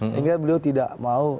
sehingga beliau tidak mau